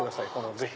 ぜひ。